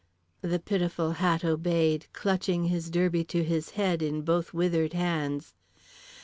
The pitiful Hat obeyed, clutching his derby to his head in both withered hands.